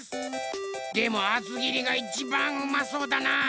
でもあつぎりがいちばんうまそうだな。